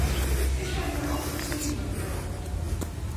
Fish eggs are also taken when available.